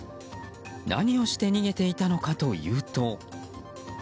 何をして逃げていたのかというと。